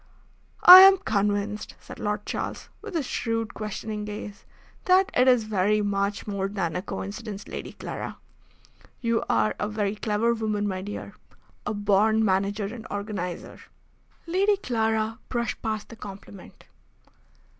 "I am convinced," said Lord Charles, with his shrewd, questioning gaze, "that it is very much more than a coincidence, Lady Clara. You are a very clever woman, my dear. A born manager and organiser." Lady Clara brushed past the compliment.